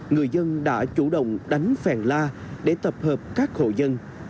người dân đã chủ động đánh phèn la để tập hợp các hộ dân